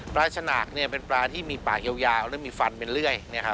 ฉนากเป็นปลาที่มีปากยาวและมีฟันเป็นเลื่อย